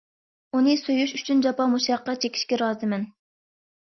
ئۇنى سۆيۈش ئۈچۈن جاپا- مۇشەققەت چېكىشكە رازىمەن.